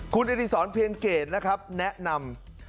คุณอริสรเปรียญเกจนะครับแนะนำ